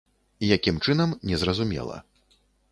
Якім чынам, не зразумела.